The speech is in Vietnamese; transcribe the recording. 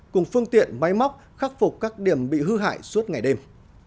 cùng phương tiện máy móc khắc phục các điểm bị hư hại suốt ngày đêm